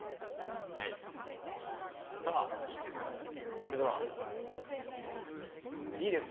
それでは、いいですか。